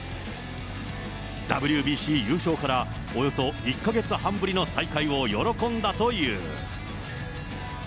ＷＢＣ優勝からおよそ１か月半ぶりの再会を喜んだという。